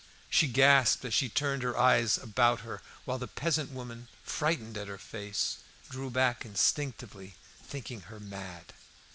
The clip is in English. She gasped as she turned her eyes about her, while the peasant woman, frightened at her face, drew back instinctively, thinking her mad.